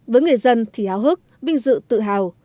với người dân thì háo hức vinh dự tự hào